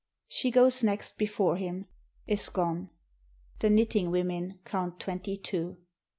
She goes next before him — is gone; the knitting women count Twenty two.